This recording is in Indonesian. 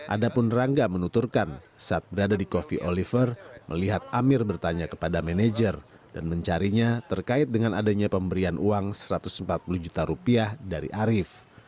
adapun rangga menuturkan saat berada di coffee oliver melihat amir bertanya kepada manajer dan mencarinya terkait dengan adanya pemberian uang satu ratus empat puluh juta rupiah dari arief